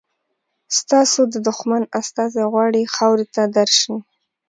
ستاسو د دښمن استازی غواړي خاورې ته درشي.